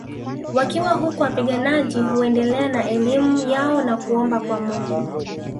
Wakiwa huko wapiganaji huendelea na elimu yao na kuomba kwa Mungu